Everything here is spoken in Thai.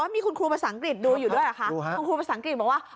มีคุณครูภาษาอังกฤษดูอยู่ด้วยเหรอคะคุณครูภาษาอังกฤษบอกว่า